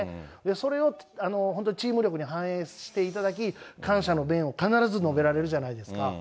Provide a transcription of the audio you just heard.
それを本当にチーム力に反映していただき、感謝の弁を必ず述べられるじゃないですか。